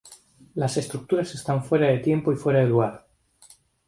Las estructuras están fuera de tiempo y fuera de lugar.